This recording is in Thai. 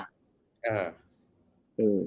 เออ